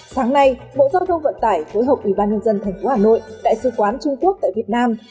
sáng nay bộ giao thông vận tải phối hợp ủy ban nhân dân tp hà nội đại sứ quán trung quốc tại việt nam